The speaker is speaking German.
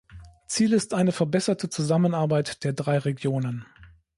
Ziel ist eine verbesserte Zusammenarbeit der drei Regionen.